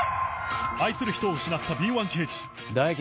愛する人を失った敏腕刑事大樹